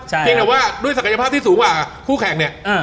เพียงแต่ว่าด้วยศักยภาพที่สูงกว่าคู่แข่งเนี่ย